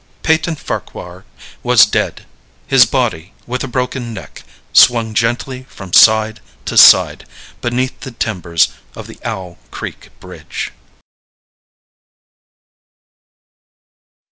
Peyton Farquhar was dead; his body, with a broken neck, swung gently from side to side beneath the timbers of the Owl Creek Bridge.